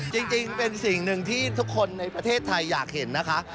จริงเป็นสิ่งหนึ่งที่ทุกคนในประเทศไทยอยากเห็นนะคะ